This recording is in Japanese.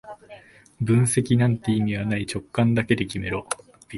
分析なんて意味はない、直感だけで決めろ